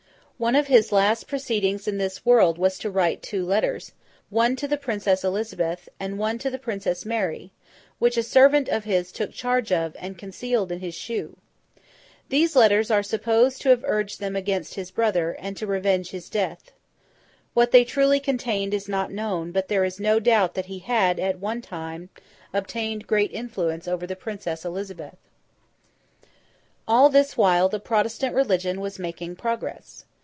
One of his last proceedings in this world was to write two letters, one to the Princess Elizabeth, and one to the Princess Mary, which a servant of his took charge of, and concealed in his shoe. These letters are supposed to have urged them against his brother, and to revenge his death. What they truly contained is not known; but there is no doubt that he had, at one time, obtained great influence over the Princess Elizabeth. All this while, the Protestant religion was making progress.